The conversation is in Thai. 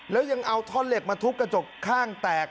แล้วยังโทษเล็กมาทุกข์กระจกข้างแตก